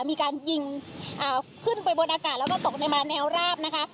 มีการยิงขึ้นไปบนอากาศแล้วก็ตกในมาแนวราบนะคะ